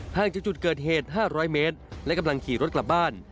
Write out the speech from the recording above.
จากจุดเกิดเหตุ๕๐๐เมตรและกำลังขี่รถกลับบ้าน